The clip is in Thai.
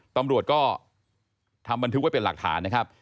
ตำรวจก็ทำบันทึกไว้เป็นหลักฐานนะครับ